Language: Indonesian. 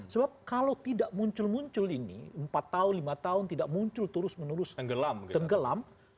sebab kalau tidak muncul muncul ini empat tahun lima tahun tidak muncul terus menerus tenggelam